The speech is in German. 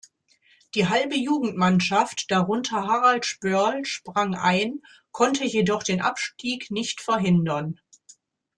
Die halbe Jugendmannschaft, darunter Harald Spörl, sprang ein, konnte jedoch den Abstieg nicht verhindern.